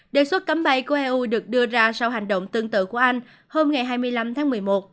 đề xuất cấm bay của eu được đưa ra sau hành động tương tự của anh hôm hai mươi năm tháng một mươi một